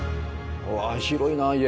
うわ広いな家。